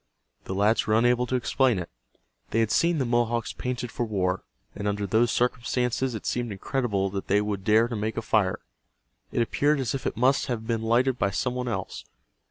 The lads were unable to explain it. They had seen the Mohawks painted for war, and under those circumstances it seemed incredible that they would dare to make a fire. It appeared as if it must have been lighted by some one else.